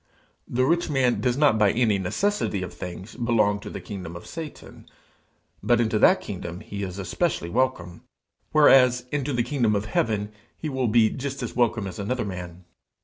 The rich man does not by any necessity of things belong to the kingdom of Satan, but into that kingdom he is especially welcome, whereas into the kingdom of heaven he will be just as welcome as another man.